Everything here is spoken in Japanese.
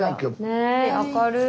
ねえ明るい！